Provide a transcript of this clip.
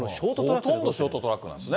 ほとんどショートトラックなんですね。